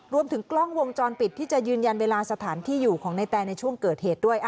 รวมถึงกล้องวงจรปิดที่จะยืนยันเวลาสถานที่อยู่ของในแตนในช่วงเกิดเหตุด้วย